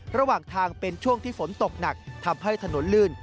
ระหว่างทางเป็นช่วงที่ฝนตกหนักทำให้ถนนลื่น